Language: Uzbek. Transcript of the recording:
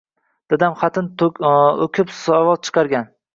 Dadam xatin o’kib savod chiqarganman.